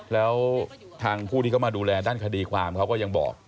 แล้วทางผู้ที่เขามาดูแลด้านคดีความเขาก็ยังบอก